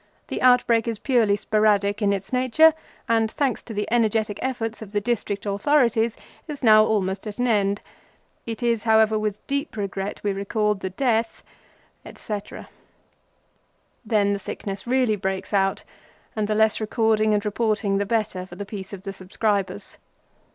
The outbreak is purely sporadic in its nature, and, thanks to the energetic efforts of the District authorities, is now almost at an end. It is, however, with deep regret we record the death, etc." Then the sickness really breaks out, and the less recording and reporting the better for the peace of the subscribers.